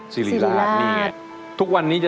สิริราช